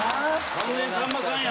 完全にさんまさんや。